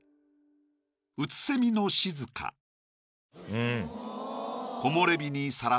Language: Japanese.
うん。